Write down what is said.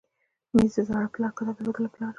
مېز د زاړه پلار کتاب ایښودلو لپاره وي.